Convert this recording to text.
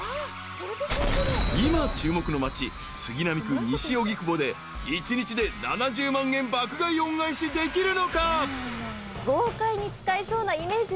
［今注目の町杉並区西荻窪で一日で７０万円爆買い恩返しできるのか？］